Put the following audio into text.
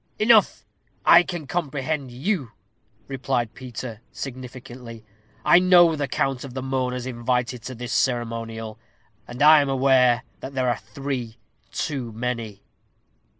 "Enough! I can comprehend you," replied Peter, significantly; "I know the count of the mourners invited to this ceremonial, and I am aware that there are three too many."